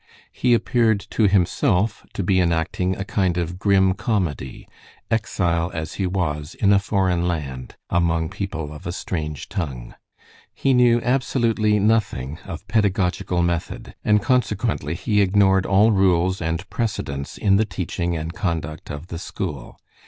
He appeared to himself to be enacting a kind of grim comedy, exile as he was in a foreign land, among people of a strange tongue. He knew absolutely nothing of pedagogical method, and consequently he ignored all rules and precedents in the teaching and conduct of the school.